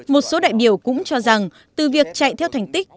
một số đại biểu cũng cho rằng từ việc chạy theo thành tích